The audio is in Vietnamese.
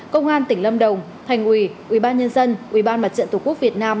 công an tỉnh lâm đồng thành ủy ubnd ubnd mặt trận tổ quốc việt nam